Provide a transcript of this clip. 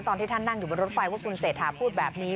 ตอนที่ท่านนั่งอยู่บนรถไฟว่าคุณเศรษฐาพูดแบบนี้